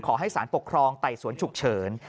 ขอให้สารปกครองไต่สวนฉุกเฉิน